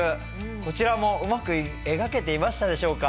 こちらもうまく描けていましたでしょうか？